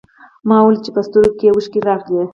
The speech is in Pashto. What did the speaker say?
ما وليده چې په سترګو کې يې اوښکې راغلې.